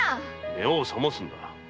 目を覚ますんだ。